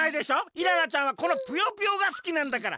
イララちゃんはこのぷよぷよがすきなんだから。